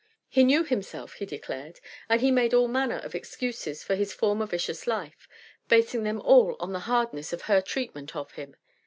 He knew himself, he declared, and he made all manner of excuses for his former vicious life, basing them all on the hardness of her treatment of him.